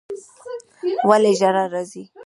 ولي ژړا راځي